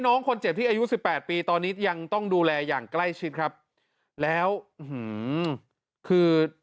คุณน้องคนเจ็บที่อายุ๑๘ปีตอนนี้ยังต้องดูแลอย่างใกล้จิดครับแล้วคือ